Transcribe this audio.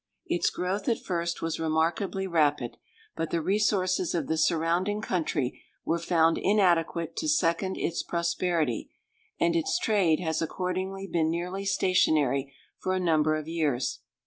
Its growth at first was remarkably rapid; but the resources of the surrounding country were found inadequate to second its prosperity, and its trade has accordingly been nearly stationary for a number of years.